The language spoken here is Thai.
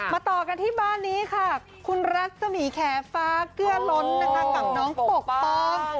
ต่อกันที่บ้านนี้ค่ะคุณรัศมีแขฟ้าเกื้อล้นนะคะกับน้องปกป้อง